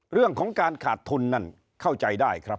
เรื่องของการขาดทุนนั่นเข้าใจได้ครับ